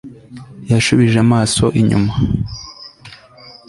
yashubije amaso inyuma